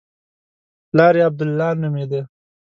پلار یې عبدالله نومېده.